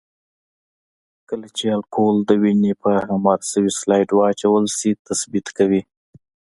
کله چې الکول د وینې په هموار شوي سلایډ واچول شي تثبیت کوي.